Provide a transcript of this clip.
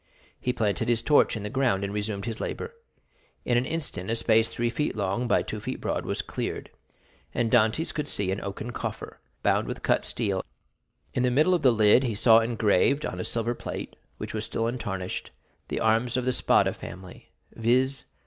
He planted his torch in the ground and resumed his labor. In an instant a space three feet long by two feet broad was cleared, and Dantès could see an oaken coffer, bound with cut steel; in the middle of the lid he saw engraved on a silver plate, which was still untarnished, the arms of the Spada family—viz.